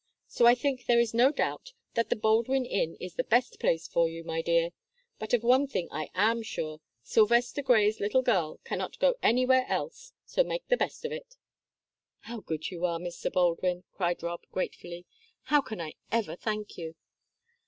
So I think there is no doubt that the Baldwin Inn is the best place for you, my dear; but of one thing I am sure Sylvester Grey's little girl cannot go anywhere else, so make the best of it." "How good you are, Mr. Baldwin!" cried Rob, gratefully. "How can I ever thank you?"